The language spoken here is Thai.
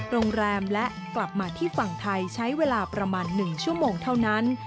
โรงแรมและกลับมาที่ฝั่งไทยใช้เวลาประมาณ๑ชั่วโมงเท่านั้น